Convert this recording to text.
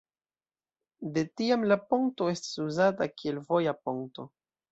De tiam la ponto estas uzata kiel voja ponto.